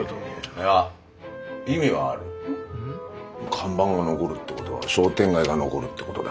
看板が残るってことは商店街が残るってことだ。